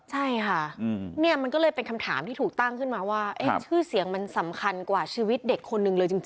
ใช่ค่ะเนี่ยมันก็เลยเป็นคำถามที่ถูกตั้งขึ้นมาว่าชื่อเสียงมันสำคัญกว่าชีวิตเด็กคนนึงเลยจริง